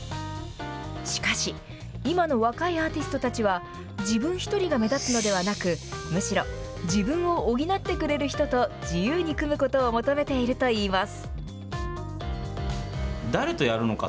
しかし、今の若いアーティストたちは、自分１人が目立つのではなく、むしろ、自分を補ってくれる人と自由に組むことを求めているといいます。